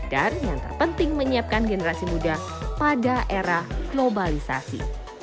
dan yang terpenting menyiapkan generasi muda pada era globalisasi